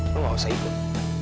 lu gak usah ikut